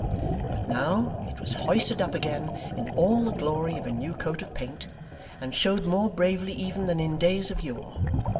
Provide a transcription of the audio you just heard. But, now, it was hoisted up again in all the glory of a new coat of paint, and showed more bravely even than in days of yore.